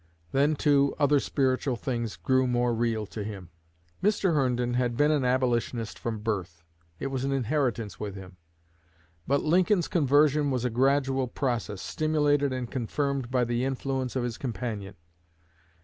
_ Then, too, other spiritual things grew more real to him." Mr. Herndon had been an Abolitionist from birth. It was an inheritance with him; but Lincoln's conversion was a gradual process, stimulated and confirmed by the influence of his companion.